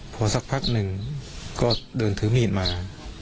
พอสักพักหนึ่งก็เดินถือมีดมา